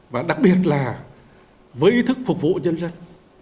và đặc biệt là với ý thức phục vụ nhân dân